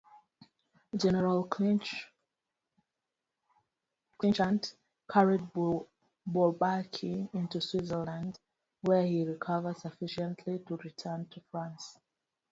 General Clinchant carried Bourbaki into Switzerland, where he recovered sufficiently to return to France.